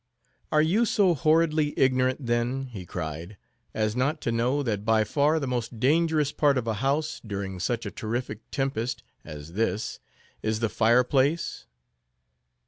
"Are you so horridly ignorant, then," he cried, "as not to know, that by far the most dangerous part of a house, during such a terrific tempest as this, is the fire place?"